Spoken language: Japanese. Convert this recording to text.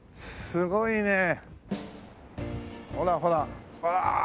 すごいねえ。